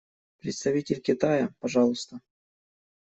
Представитель Китая, пожалуйста.